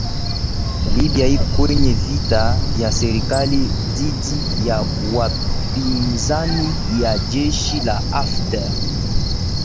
Libya iko kwenye vita vya serikali dhidi ya wapinzani wa jeshi la Hafter